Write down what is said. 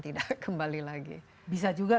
tidak kembali lagi bisa juga